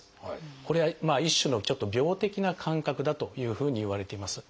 これは一種のちょっと病的な感覚だというふうにいわれています。